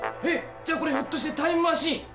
じゃこれひょっとしてタイムマシン？」